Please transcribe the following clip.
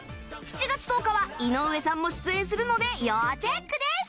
７月１０日は井上さんも出演するので要チェックです！